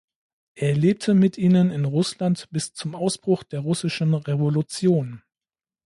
Er lebte mit ihnen in Russland bis zum Ausbruch der Russischen Revolution.